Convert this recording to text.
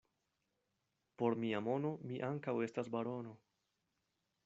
Por mia mono mi ankaŭ estas barono.